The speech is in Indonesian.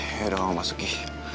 yaudah kamu masuk gi